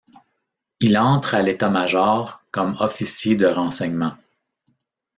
Il entre à l’État-major comme officier de renseignement.